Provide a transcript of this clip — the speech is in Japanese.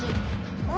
お！